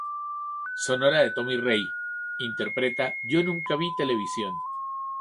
Sonora de Tommy Rey: Interpreta "Yo nunca vi televisión.